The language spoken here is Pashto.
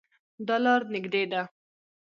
دا لار نږدې ده